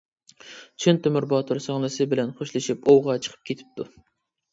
چىن تۆمۈر باتۇر سىڭلىسى بىلەن خوشلىشىپ ئوۋغا چىقىپ كېتىپتۇ.